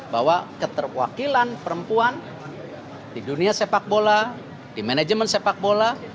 bahwa keterwakilan perempuan di dunia sepak bola di manajemen sepak bola